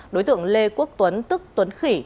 đối tượng lê quốc tuấn tức tuấn khỉ